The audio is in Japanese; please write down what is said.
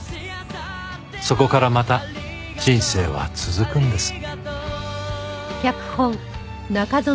そこからまた人生は続くんです。